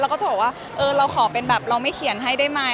ก็จะบอกว่าเออเราขอเป็นแบบเราไม่เขียนให้ได้ไหม